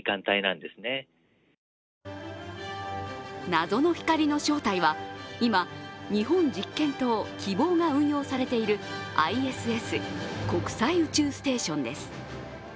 謎の光の正体は今、日本実験棟「きぼう」が運用されているＩＳＳ＝国際宇宙ステーションです。